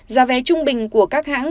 giá vé trung bình của các hãng